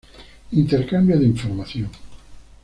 Intercambio de información.